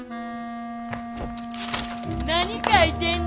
何書いてんねん？